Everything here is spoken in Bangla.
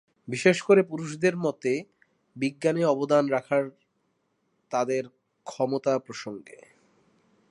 বিশেষ করে পুরুষদের মতো বিজ্ঞানে অবদান রাখার তাদের ক্ষমতা প্রসঙ্গে।